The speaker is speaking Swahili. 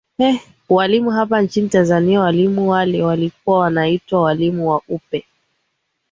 hee walimu hapa nchini tanzania walimu wale walikuwa wanaitwa walimu wa upe